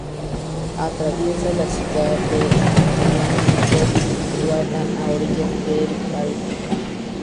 Atraviesa la ciudad de Uliánovsk, situada a orillas del Volga.